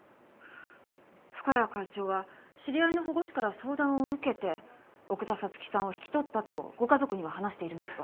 深谷会長は知り合いの保護司から相談を受けて奥田彩月さんを引き取ったとご家族には話しているんですが。